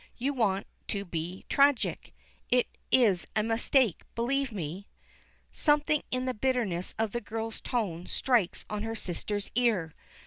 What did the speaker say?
"You want to be tragic. It is a mistake, believe me." Something in the bitterness of the girl's tone strikes on her sister's ear.